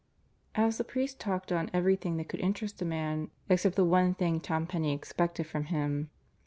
as the priest talked on everything that could interest a man except the one thing Tom Penney expected from him.